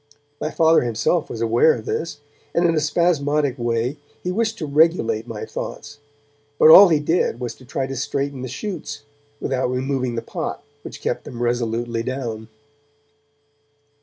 My Father himself was aware of this, and in a spasmodic way he wished to regulate my thoughts. But all he did was to try to straighten the shoots, without removing the pot which kept them resolutely down.